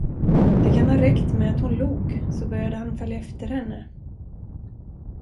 Det kan ha räckt med att hon log, så började han följa efter henne.